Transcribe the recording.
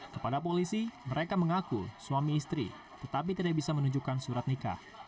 kepada polisi mereka mengaku suami istri tetapi tidak bisa menunjukkan surat nikah